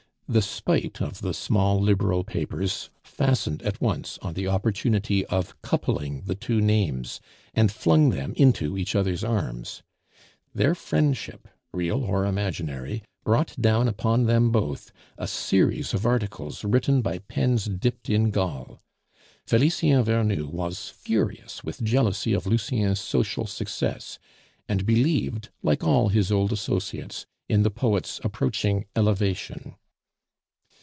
The spite of the small Liberal papers fastened at once on the opportunity of coupling the two names, and flung them into each other's arms. Their friendship, real or imaginary, brought down upon them both a series of articles written by pens dipped in gall. Felicien Vernou was furious with jealousy of Lucien's social success; and believed, like all his old associates, in the poet's approaching elevation.